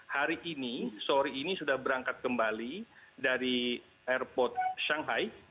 hari ini sore ini sudah berangkat kembali dari airport shanghai